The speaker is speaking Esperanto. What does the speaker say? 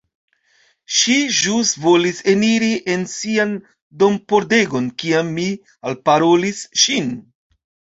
Ŝi ĵus volis eniri en sian dompordegon, kiam mi alparolis ŝin!